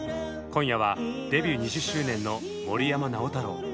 「ＳＯＮＧＳ」今夜はデビュー２０周年の森山直太朗。